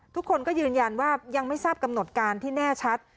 ทุกคนก็ยืนยันว่ายังไม่ทราบกำหนดการที่แน่ชัด